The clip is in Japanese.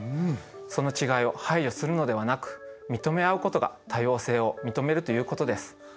その違いを排除するのではなく認め合うことが多様性を認めるということです。